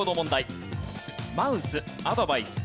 マウスアドバイス